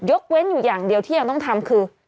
เว้นอยู่อย่างเดียวที่ยังต้องทำคือ